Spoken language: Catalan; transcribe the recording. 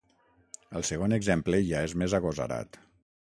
El segon exemple ja és més agosarat.